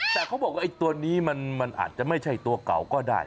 แต่เขาบอกว่าไอ้ตัวนี้มันอาจจะไม่ใช่ตัวเก่าก็ได้